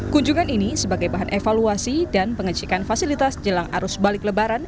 kunjungan ini sebagai bahan evaluasi dan pengecekan fasilitas jelang arus balik lebaran